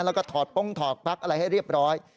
แล้วก็ถอดป้งถอดปลั๊กอะไรให้เรียบร้อย